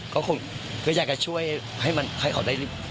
ก็คงก็อยากจะช่วยให้มันออกมา